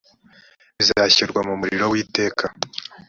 bazashyirwa mu muriro w iteka